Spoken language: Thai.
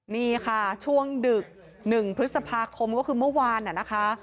นี่ค่ะช่วงดึก๑พฤษภาคมก็คือเมื่อวานนะคะ